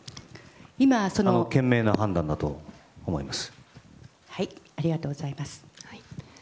賢明な判断だと思います。